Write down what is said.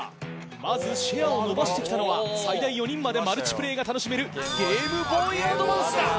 まずシェアを伸ばして来たのは最大４人までマルチプレーが楽しめるゲームボーイアドバンスだ。